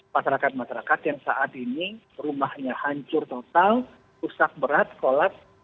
masyarakat masyarakat yang saat ini rumahnya hancur total rusak berat kolak